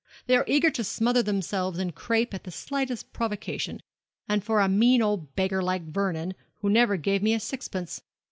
They are eager to smother themselves in crape at the slightest provocation, and for a mean old beggar like Vernon, who never gave me a sixpence.